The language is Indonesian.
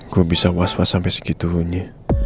gue bisa was was sampai segitunya